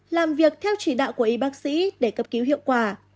làm việc theo chỉ đạo của y bác sĩ để cấp cứu hiệu quả